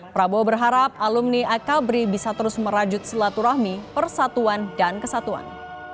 prabowo berharap alumni akabri bisa terus merajut silaturahmi persatuan dan kesatuan